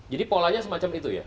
jadi polanya semacam itu ya